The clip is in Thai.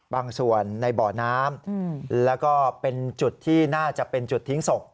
บางส่วนในบ่อน้ำแล้วก็เป็นจุดที่น่าจะเป็นจุดทิ้งศพ